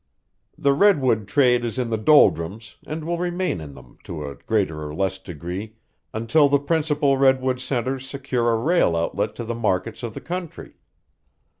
The redwood trade is in the doldrums and will remain in them to a greater or less degree until the principal redwood centres secure a rail outlet to the markets of the country.